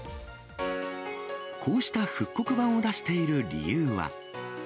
こうした復刻版を出している理由は。